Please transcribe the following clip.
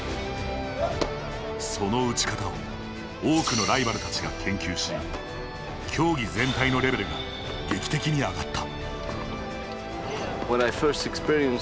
その打ち方を多くのライバルたちが研究し競技全体のレベルが劇的に上がった。